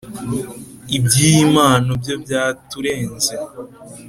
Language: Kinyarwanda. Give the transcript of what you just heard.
ibyiyi mpano byo byaturenze